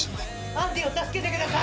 アンディを助けてください！